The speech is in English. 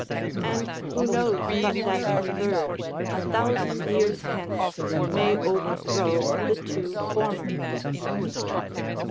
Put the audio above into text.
And who knows but that a third, a thousand years hence, may over throw the two former.